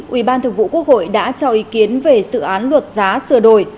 ubth đã cho ý kiến về sự án luật giá sửa đổi